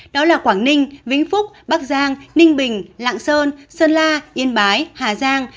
đó là quảng ninh vĩnh phúc bắc giang ninh bình lạng sơn sơn la yên bái hà giang